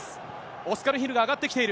オスカル・ヒルが上がってきている。